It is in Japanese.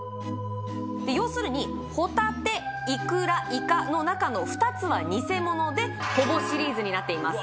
要するにホタテいくらイカの中の２つは偽物でほぼシリーズになっています